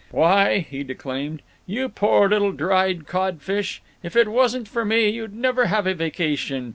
"Why," he declaimed, "you poor little dried codfish, if it wasn't for me you'd never have a vacation.